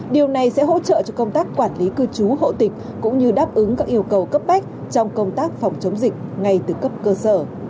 điều này sẽ hỗ trợ cho công tác quản lý cư trú hộ tịch cũng như đáp ứng các yêu cầu cấp bách trong công tác phòng chống dịch